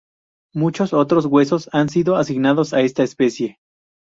Muchos otros huesos han sido asignados a esta especie.